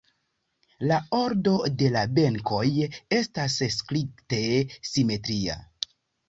La ordo de la benkoj estas strikte simetria.